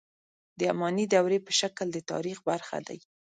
د اماني دورې په شکل د تاریخ برخه دي.